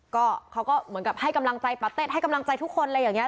ก็เขาก็เหมือนกับให้กำลังใจปาเต็ดให้กำลังใจทุกคนอะไรอย่างนี้